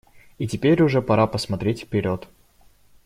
И теперь уже пора посмотреть вперед.